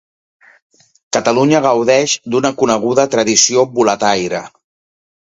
Catalunya gaudeix d'una coneguda tradició boletaire.